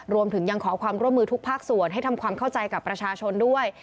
รวมถึงยังขอความร่วมมือทุกภาคส่วนให้ทำความเข้าใจกับประชาชนด้วย